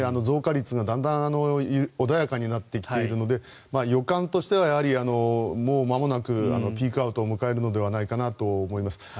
増加率がだんだん穏やかになってきているので予感としてはもうまもなくピークアウトを迎えるのではないかなと思います。